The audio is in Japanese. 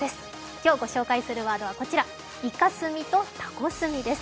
今日御紹介するワードはこちらイカ墨とタコ墨です。